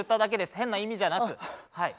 変な意味じゃなくはい。